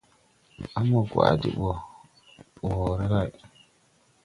A mo gwaʼ de ɓɔ woore lay.